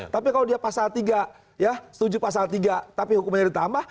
tapi kalau dia pasal tiga ya setuju pasal tiga tapi hukumannya ditambah